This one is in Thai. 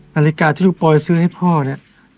นาฬิกาที่ลูกปอยซื้อให้พ่อเนี่ย